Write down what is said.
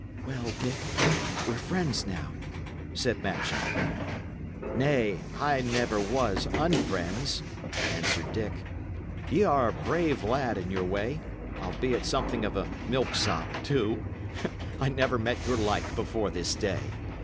"Well, Dick, we're friends now," said Matcham. "Nay, I never was unfriends," answered Dick. "Y' are a brave lad in your way, albeit something of a milksop, too. I never met your like before this day.